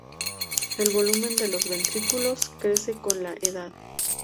El volumen de los ventrículos crece con la edad.